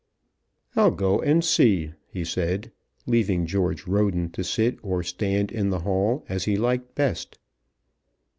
"I'll go and see," he said, leaving George Roden to sit or stand in the hall as he liked best.